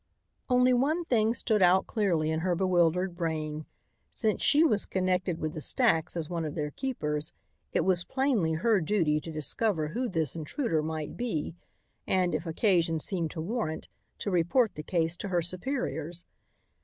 Only one thing stood out clearly in her bewildered brain: Since she was connected with the stacks as one of their keepers, it was plainly her duty to discover who this intruder might be and, if occasion seemed to warrant, to report the case to her superiors.